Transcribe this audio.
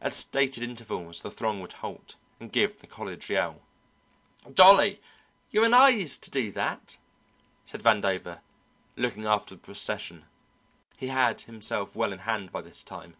At stated intervals the throng would halt and give the college yell. "Dolly, you and I used to do that," said Vandover, looking after the procession. He had himself well in hand by this time.